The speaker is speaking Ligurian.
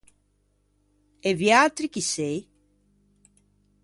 E viatri chi sei?